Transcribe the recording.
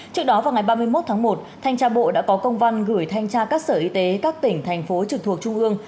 trước đó vào ngày ba mươi một tháng một thanh tra bộ đã có công văn gửi thanh tra các sở y tế các tỉnh thành phố trực thuộc trung ương